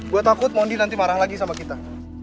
gue takut mondi nanti marah lagi sama kita